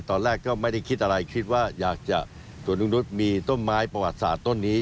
ตอนแรกก็ไม่ได้คิดอะไรคิดว่าอยากจะสวนลุงนุษย์มีต้นไม้ประวัติศาสตร์ต้นนี้